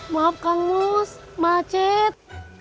maaf kang mus macet